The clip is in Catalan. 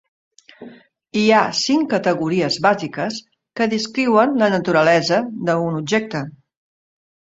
Hi ha cinc categories bàsiques que descriuen la naturalesa d'un objecte.